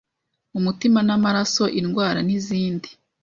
umutima n'amaraso indwara nizindi.